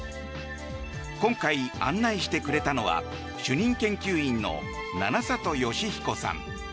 今回、案内してくれたのは主任研究員の七里吉彦さん。